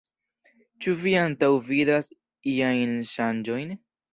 Ĉu vi antaŭvidas iajn ŝanĝojn?